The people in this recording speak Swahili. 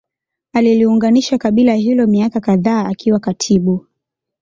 aliliunganisha kabila hilo miaka kafdhaa akiwa katibu